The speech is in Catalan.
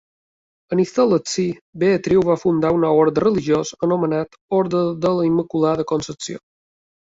En instal·lar-s'hi, Beatriu va fundar un nou orde religiós anomenat Orde de la Immaculada Concepció.